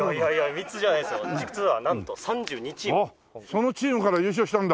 そのチームから優勝したんだ？